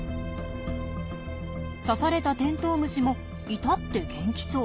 刺されたテントウムシもいたって元気そう。